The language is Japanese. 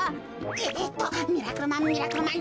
えっとミラクルマンミラクルマン。